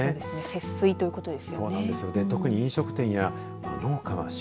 節水ということですよね。